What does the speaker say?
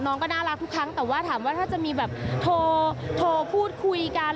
น้องก็น่ารักทุกครั้งแต่ว่าถามว่าถ้าจะมีแบบโทรพูดคุยกัน